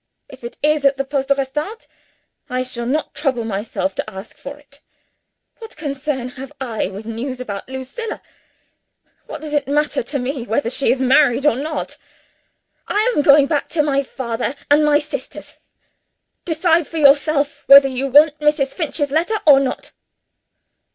If it is at the Poste Restante, I shall not trouble myself to ask for it. What concern have I with news about Lucilla? What does it matter to me whether she is married or not? I am going back to my father and my sisters. Decide for yourself whether you want Mrs. Finch's letter or not."